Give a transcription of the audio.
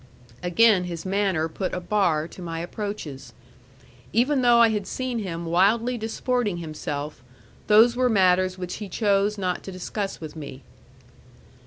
Again his manner put a bar to my approaches. Even though I had seen him wildly disporting himself, those were matters which he chose not to discuss with me.